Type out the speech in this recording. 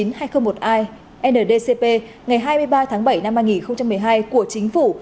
ndcp ngày hai mươi ba tháng bảy năm hai nghìn một mươi hai của chính phủ